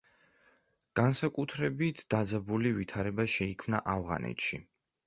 განსაკუთრებით დაძაბული ვითარება შეიქმნა ავღანეთში.